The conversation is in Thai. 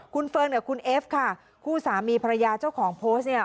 คุณเฟิร์นกับคุณเอฟค่ะคู่สามีภรรยาเจ้าของโพสต์เนี่ย